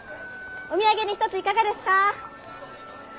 お土産に一ついかがですか？